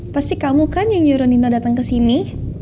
pasti kamu kan yang juru nino datang kesini